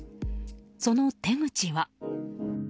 その手口は。